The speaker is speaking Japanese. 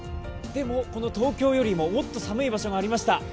でもこの東京よりももっと寒い場所がありました。